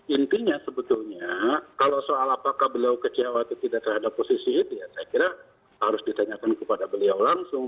intinya sebetulnya kalau soal apakah beliau kecewa atau tidak terhadap posisi itu ya saya kira harus ditanyakan kepada beliau langsung